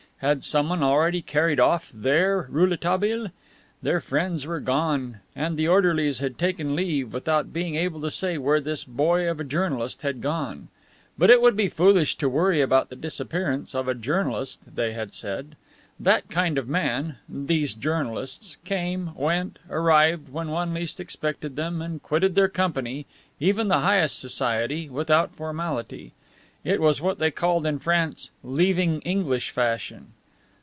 Had someone already carried off "their" Rouletabille? Their friends were gone and the orderlies had taken leave without being able to say where this boy of a journalist had gone. But it would be foolish to worry about the disappearance of a Journalist, they had said. That kind of man these journalists came, went, arrived when one least expected them, and quitted their company even the highest society without formality. It was what they called in France "leaving English fashion."